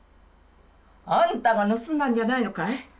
あんたが盗んだんじゃないのかい？